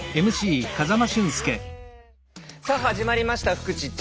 さあ始まりました「フクチッチ」。